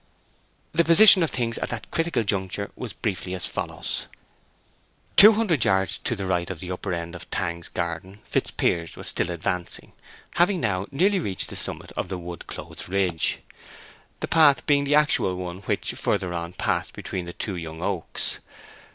The position of things at that critical juncture was briefly as follows. Two hundred yards to the right of the upper end of Tangs's garden Fitzpiers was still advancing, having now nearly reached the summit of the wood clothed ridge, the path being the actual one which further on passed between the two young oaks.